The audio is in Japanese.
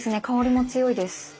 香りも強いです。